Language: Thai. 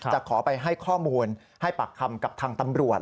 จะขอไปให้ข้อมูลให้ปากคำกับทางตำรวจ